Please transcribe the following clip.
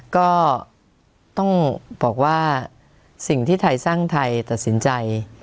ก็ต้องบอกว่าสิ่งที่ไทยสร้างไทยตัดสินใจ